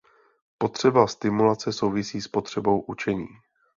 Potřeba stimulace souvisí s potřebou učení.